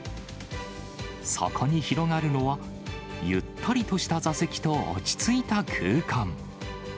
そこに広がるのは、ゆったりとした座席と落ち着いた空間。